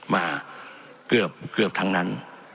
มาเกือบเกือบทั้งนั้น